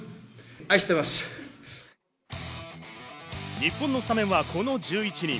日本のスタメンはこの１１人。